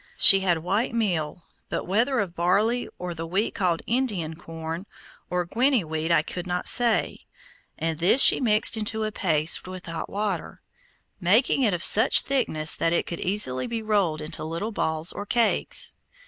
She had white meal, but whether of barley, or the wheat called Indian corn, or Guinny wheat I could not say, and this she mixed into a paste with hot water; making it of such thickness that it could easily be rolled into little balls or cakes.